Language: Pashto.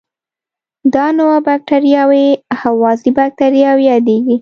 دا نوعه بکټریاوې هوازی باکتریاوې یادیږي.